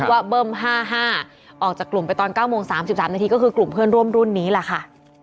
ว่าเบิ้ม๕๕ออกจากกลุ่มไปตอน๙โมง๓๓นาทีก็คือกลุ่มเพื่อนร่วมรุ่นนี้แหละค่ะ